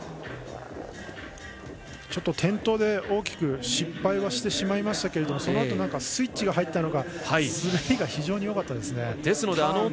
ちょっと転倒で大きく失敗はしてしまいましたがそのあとスイッチが入ったのが滑りが非常によかったですね。